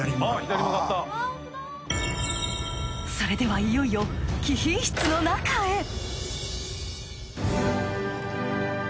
それではいよいよ貴賓室の中へ。